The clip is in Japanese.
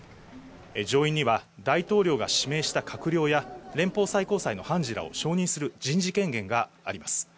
上院には大統領が指名した閣僚や連邦最高裁の判事らを承認する人事権限があります。